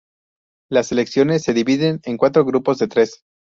Las selecciones se dividen en cuatro grupos de tres.